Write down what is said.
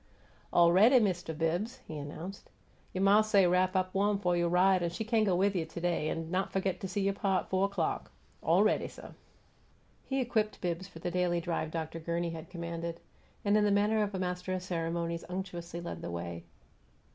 "Awready, Mist' Bibbs," he announced. "You' ma say wrap up wawm f' you' ride, an' she cain' go with you to day, an' not f'git go see you' pa at fo' 'clock. Aw ready, suh." He equipped Bibbs for the daily drive Dr. Gurney had commanded; and in the manner of a master of ceremonies unctuously led the way.